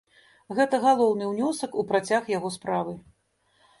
Гэта галоўны ўнёсак у працяг яго справы.